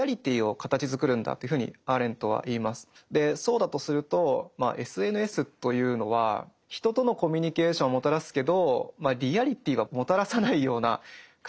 でそうだとするとまあＳＮＳというのは人とのコミュニケーションをもたらすけどリアリティーはもたらさないような感じがしますね。